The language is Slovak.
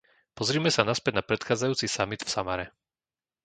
Pozrime sa naspäť na predchádzajúci samit v Samare.